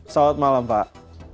selamat malam pak